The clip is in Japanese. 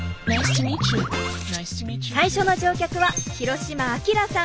最初の乗客は廣島晶さん。